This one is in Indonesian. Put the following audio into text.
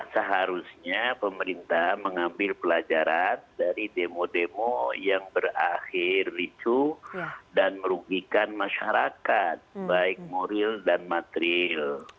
seharusnya pemerintah mengambil pelajaran dari demo demo yang berakhir licu dan merugikan masyarakat baik moral dan material